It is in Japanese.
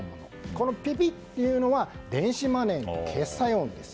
このピピッというのは電子マネーの決済音です。